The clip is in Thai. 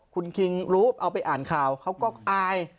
คุณคิงรู้เอาไปอ่านข่าวเขาก็อาย